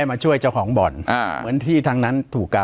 ปากกับภาคภูมิ